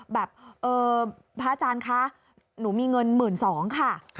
แบบพระอาจารย์คะหนูมีเงิน๑๒๐๐บาทค่ะ